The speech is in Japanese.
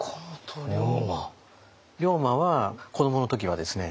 龍馬は子どもの時はですね